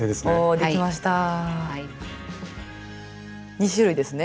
２種類ですね。